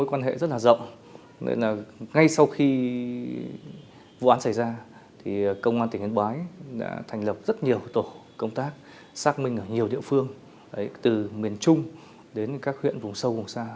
quán tỉnh yên bái đã thành lập rất nhiều tổ công tác xác minh ở nhiều địa phương từ miền trung đến các huyện vùng sâu vùng xa